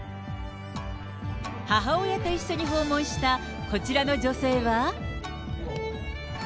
母親と一緒に訪問したこちらの女性は。